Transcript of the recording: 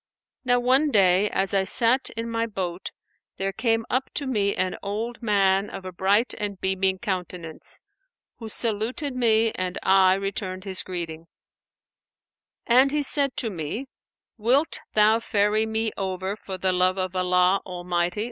Now one day, as I sat in my boat, there came up to me an old man of a bright and beaming countenance, who saluted me and I returned his greeting; and he said to me, 'Wilt thou ferry me over for the love of Allah Almighty?'